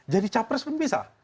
jadi capres pun bisa